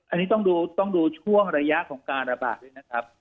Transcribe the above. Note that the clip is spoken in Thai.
อันนี้ต้องดูช่วงระยะของการระบาดด้วยนะครับ